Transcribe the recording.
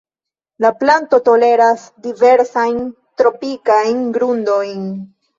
La planto toleras diversajn tropikajn grundojn.